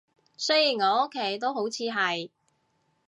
雖然我屋企都好似係